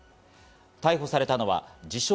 逮捕されたのは自称